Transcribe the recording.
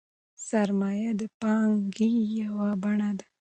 سرمایه د پانګې یوه بڼه ده.